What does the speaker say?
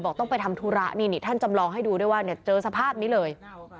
ต้องไปทำธุระนี่นี่ท่านจำลองให้ดูด้วยว่าเนี่ยเจอสภาพนี้เลย